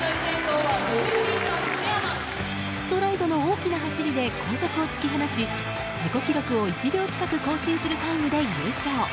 ストライドの大きな走りで後続を突き放し自己記録を１秒近く更新するタイムで優勝。